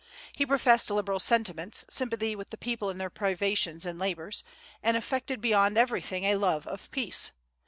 He professed liberal sentiments, sympathy with the people in their privations and labors, and affected beyond everything a love of peace.